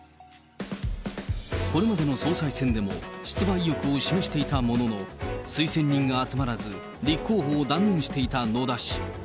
これまでの総裁選でも出馬意欲を示していたものの、推薦人が集まらず、立候補を断念していた野田氏。